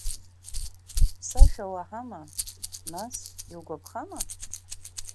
Сашәа уаҳама, нас, иугәаԥхама?